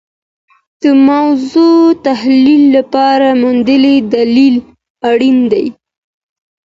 د موضوع تحلیل لپاره منلي دلایل اړین دي.